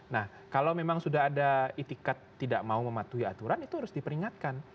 nah kalau memang sudah ada itikat tidak mau mematuhi aturan itu harus diperingatkan